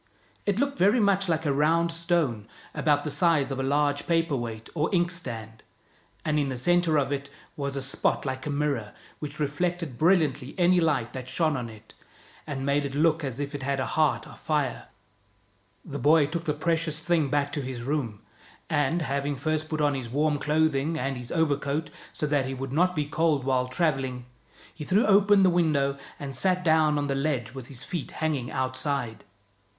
It looked very much like a round stone, about the size of a large paper weight or ink stand, and in the center of it was a spot like a mirror, which reflected brilliantly any light that shone on it, and made it look as if it had a heart of fire. The boy took the precious thing back to his room, and, having first put on his warm clothing and his overcoat, so that he would not be cold while traveling, 66 THE BOY WHO WENT OUT OF THE WORLD he threw open the window, and sat down on the ledge with his feet hanging outside.